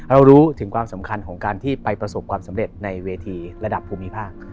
รู้ถึงความสำคัญของการที่ไปประสบความสำเร็จในเวทีระดับภูมิภาค